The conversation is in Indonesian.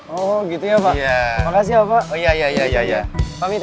oh gitu ya pak makasih ya pak